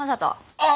ああ！